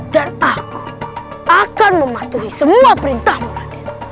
dan aku akan mematuhi semua perintahmu raden